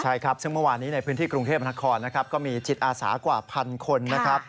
ใช่ครับซึ่งเมื่อวานนี้ในพื้นที่กรุงเทพนครนะครับก็มีจิตอาสากว่าพันคนนะครับ